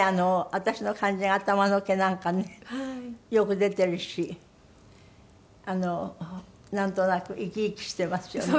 私の感じが頭の毛なんかねよく出ているしなんとなく生き生きしていますよね。